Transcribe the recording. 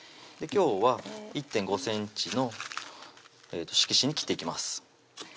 今日は１．５ｃｍの色紙に切っていきます